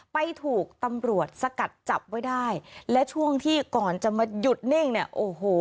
ไปถูกตำรวจสกัดจับไว้ได้และช่วงที่ก่อนจะมาหยุดนิ่งเนี่ยโอ้โห